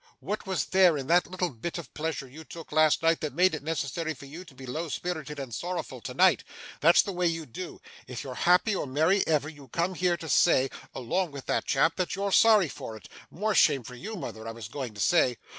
What was there in the little bit of pleasure you took last night that made it necessary for you to be low spirited and sorrowful tonight? That's the way you do. If you're happy or merry ever, you come here to say, along with that chap, that you're sorry for it. More shame for you, mother, I was going to say.